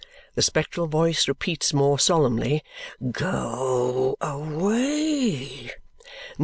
The spectral voice repeats more solemnly, "Go away!"